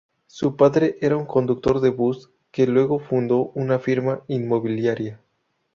Su padre era un conductor de bus que luego fundó una firma inmobiliaria.